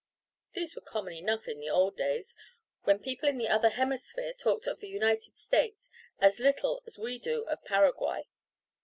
These were common enough in the old days, when people in the other hemisphere talked of the United States as little as we do of Paraguay.